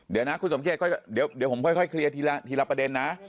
เดี๋ยวนะคุณสมเกียจก็เดี๋ยวผมค่อยเคลียร์ทีละประเด็นนะ